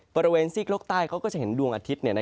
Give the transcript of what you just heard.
ประเวนสิทธิ์โลกใต้เขาก็จะเห็นดวงอาทิตย์